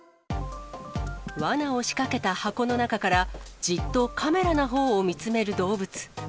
わなを仕掛けた箱の中から、じっとカメラのほうを見つめる動物。